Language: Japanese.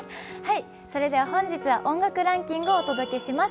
本日は音楽ランキングをお届けします。